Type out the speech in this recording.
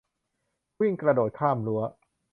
วิ่งกระโดดข้ามรั้ว